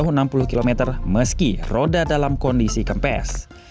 sehingga mobil tetap bisa melaju sejauh enam puluh km meski roda dalam kondisi kempes